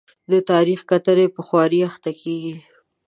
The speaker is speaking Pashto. د تاریخي کتنې په خوارۍ اخته کېږي.